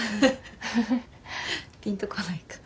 ピンとこないか。